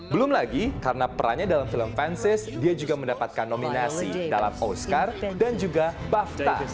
belum lagi karena perannya dalam film fencis dia juga mendapatkan nominasi dalam oscar dan juga buff tas